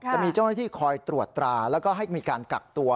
จะมีเจ้าหน้าที่คอยตรวจตราแล้วก็ให้มีการกักตัว